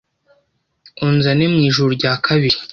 Unzane mu ijuru rya kabiri